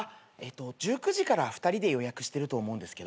１９時から２人で予約してると思うんですけど。